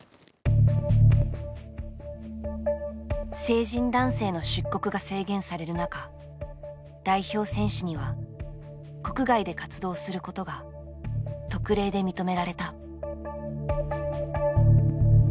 成人男性の出国が制限される中代表選手には国外で活動することが特例で認められた。